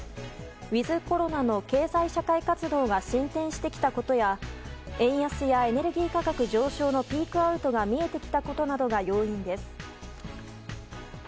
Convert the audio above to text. ウィズコロナの経済社会活動が進展してきたことや円安やエネルギー価格上昇のピークアウトが見えてきたことなどが要因です。